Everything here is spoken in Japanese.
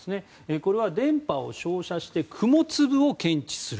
これは、電波を照射して雲粒を検知する。